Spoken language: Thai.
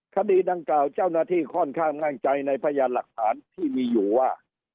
คดีดังกล่าวเจ้าหน้าที่ค่อนข้างง่างใจในพยานหลักฐานที่มีอยู่ว่า